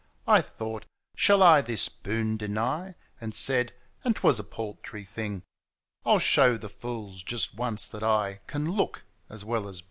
I thought, < Shalll this boon deny r And said — and 'twas a paltry thing :< I'll show the fools just once that I ' Can look, as well as be, a king.'